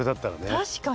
確かに！